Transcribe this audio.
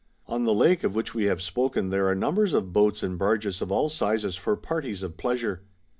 ^ On the Lake of which we have spoken there are num bers of boats and barges of all sizes for parties of pleasure.